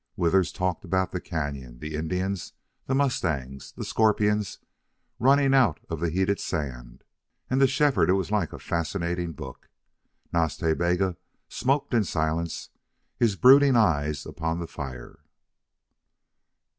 Withers talked about the cañon, the Indians, the mustangs, the scorpions running out of the heated sand; and to Shefford it was all like a fascinating book. Nas Ta Bega smoked in silence, his brooding eyes upon the fire.